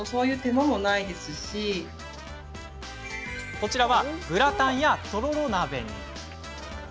こちらはグラタンや、とろろ鍋に。